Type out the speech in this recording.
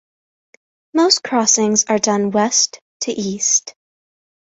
Most crossings are done west to east.